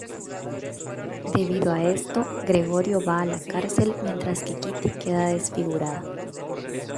Debido a esto, Gregorio va a la cárcel mientras que Kitty queda desfigurada.